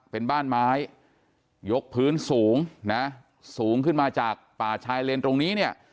เป็นบ้านไม้ยกพื้นสูงนะสูงขึ้นมาจากป่าชายเลนตรงนี้เนี่ย